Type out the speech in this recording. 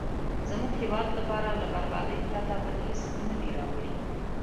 زموږ هیواد لپاره له بربادۍ پرته بل هېڅ نه دي راوړي.